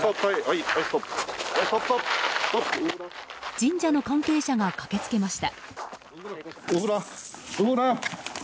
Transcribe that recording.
神社の関係者が駆けつけました。